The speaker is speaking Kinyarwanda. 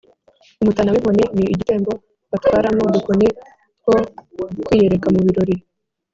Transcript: umutana w’inkoni: ni igitembo batwaramo udukoni two kwiyereka mu birori